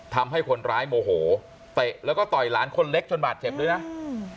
ทำให้คนร้ายโมโหเตะแล้วก็ต่อยหลานคนเล็กจนบาดเจ็บด้วยนะอืม